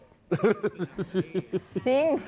จริง